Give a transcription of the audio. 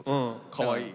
かわいい。